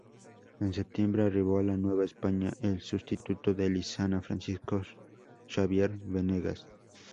En septiembre, arribó a la Nueva España el sustituto de Lizana, Francisco Xavier Venegas.